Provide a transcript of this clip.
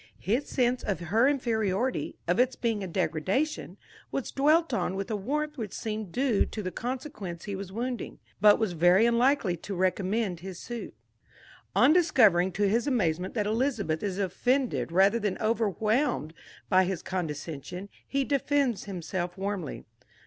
"His sense of her inferiority, of its being a degradation ... was dwelt on with a warmth which seemed due to the consequence he was wounding, but was very unlikely to recommend his suit." On discovering, to his amazement, that Elizabeth is offended rather than overwhelmed by his condescension, he defends himself warmly.